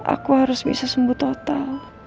aku harus bisa sembuh total